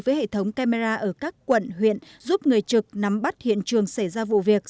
với hệ thống camera ở các quận huyện giúp người trực nắm bắt hiện trường xảy ra vụ việc